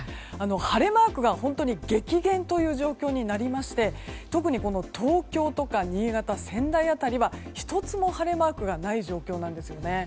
晴れマークが本当に激減という状況になりまして特に東京とか新潟、仙台辺りは１つも晴れマークがない状況なんですね。